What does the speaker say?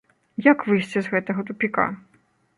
Як выйсці з гэтага тупіка?